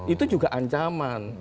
itu juga ancaman